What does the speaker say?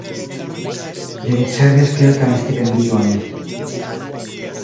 Li ricevis kelkajn stipendiojn.